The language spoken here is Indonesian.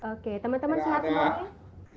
oke teman teman sehat semuanya